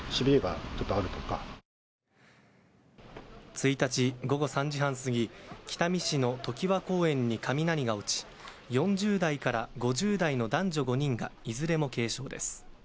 １日、午後３時半すぎ北見市の常盤公園に雷が落ち４０代から５０代の男女５人がいずれも軽傷です。